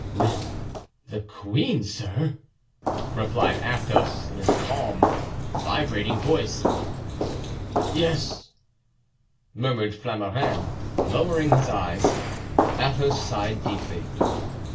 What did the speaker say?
"With the queen, sir?" replied Athos, in his calm, vibrating voice. "Yes," murmured Flamarens, lowering his eyes. Athos sighed deeply.